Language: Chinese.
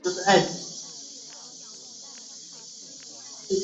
最后一位中宫是光格天皇的中宫欣子内亲王。